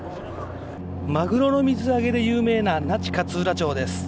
マグロの水揚げで有名な那智勝浦町です。